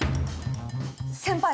先輩！